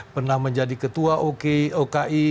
pernah menjadi ketua oki